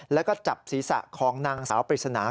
แล้วก็จับศีรษะของนางสาวปริศนา